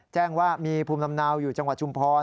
แจ้งว่ามีภูมิลำเนาอยู่จังหวัดชุมพร